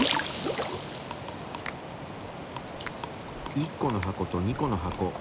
１個の箱と２個の箱。